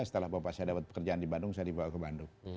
setelah bapak saya dapat pekerjaan di bandung saya dibawa ke bandung